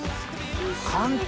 簡単！